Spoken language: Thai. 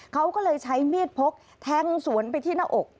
เขาก็เลยใช้มีดพกแทงสวนไปที่หน้าอก